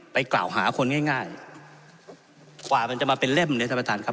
กล่าวหาคนง่ายง่ายกว่ามันจะมาเป็นเล่มเนี่ยท่านประธานครับ